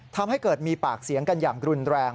ทำให้เกิดมีปากเสียงกันอย่างรุนแรง